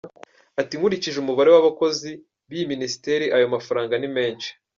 Ati ”nkurikije umubare w’abakozi b’iyi Minisiteri ayo mafaranga ni menshi”.